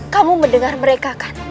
kamu mendengar mereka kan